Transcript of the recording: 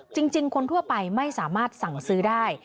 จริงคนทั่วไปไม่สามารถสั่งซื้อได้